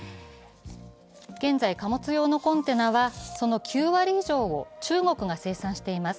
現在、貨物用のコンテナはその９割以上を中国が生産しています。